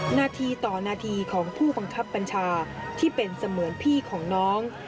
นาทีต่อนาทีของผู้บังคับบัญชาที่เป็นเสมือนพี่ของน้อง